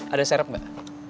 ada serep mbak